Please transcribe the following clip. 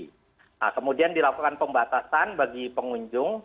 nah kemudian dilakukan pembatasan bagi pengunjung